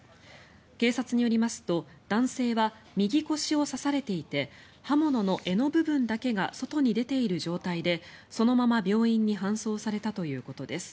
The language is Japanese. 警察によりますと男性は右腰を刺されていて刃物の柄の部分だけが外に出ている状態でそのまま病院に搬送されたということです。